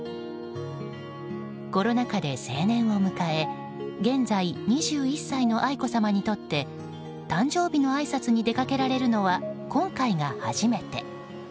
コロナ禍で成年を迎え現在２１歳の愛子さまにとって誕生日のあいさつに出かけられるのは今回が初めて。